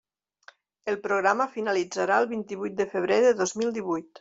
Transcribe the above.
El programa finalitzarà el vint-i-vuit de febrer de dos mil divuit.